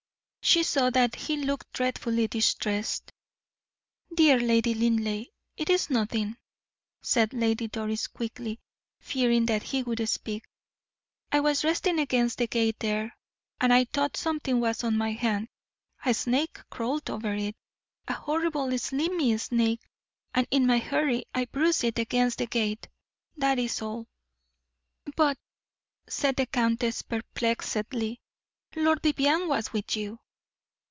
She saw that he looked dreadfully distressed. "Dear Lady Linleigh, it is nothing," said Lady Doris, quickly, fearing that he would speak. "I was resting against the gate there, and I thought something was on my hand, a snake crawled over it a horrible, slimy snake and in my hurry, I bruised it against the gate that is all." "But," said the countess, perplexedly, "Lord Vivianne was with you."